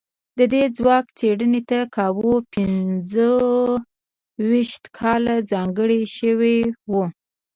د دې ځواک څېړنې ته کابو پينځو ويشت کاله ځانګړي شوي وو.